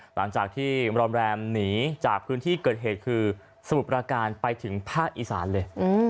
หลังจากที่รอมแรมหนีจากพื้นที่เกิดเหตุคือสมุทรประการไปถึงภาคอีสานเลย